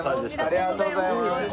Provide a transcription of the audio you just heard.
ありがとうございます。